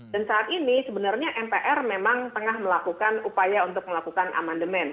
dan saat ini sebenarnya mpr memang tengah melakukan upaya untuk melakukan aman demand